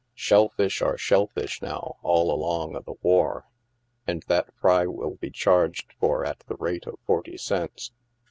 Shell fish are shell fish, now, all along o' the war, and that fry will be charged for at the rate of forty cents.